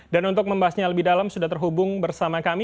dan untuk membahasnya lebih dalam sudah terhubung bersama kami